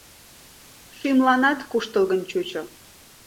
Шӱмланат куштылгын чучо.